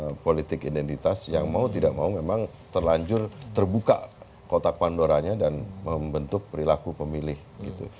dan ada politik identitas yang mau tidak mau memang terlanjur terbuka kotak pandoranya dan membentuk perilaku pemilih gitu